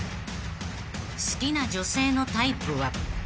［好きな女性のタイプは］